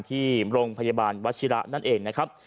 ที่โรงพยาบาลวัชิระนั่นเองนะครับ